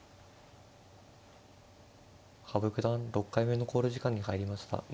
羽生九段６回目の考慮時間に入りました。